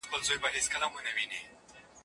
عربي د ډيرو لغتونو او معناوو لرونکو ژبه ده.